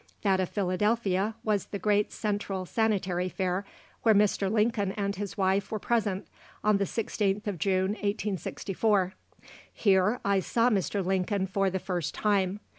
That of Philadelphia was the Great Central Sanitary Fair, where Mr. Lincoln and his wife were present, on the 16th of June, 1864. Here I saw Mr. Lincoln for the first time.